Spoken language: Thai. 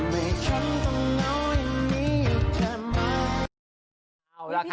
ไม่เชื่อไปฟังกันหน่อยค่ะ